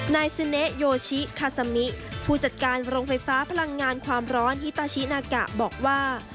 นายซึเนโยชิคาซามิผู้จัดการโรงไฟฟ้าพลังงานความร้อนฮิตาชินากะบอกว่า